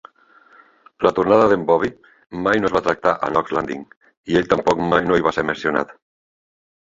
La tornada d'en Bobby mai no es va tractar a "Knots Landing", i ell tampoc mai no hi va ser mencionat.